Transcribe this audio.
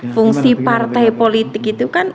fungsi partai politik itu kan